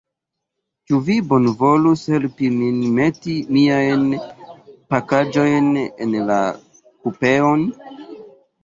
Ĉu vi bonvolus helpi min meti miajn pakaĵojn en la kupeon?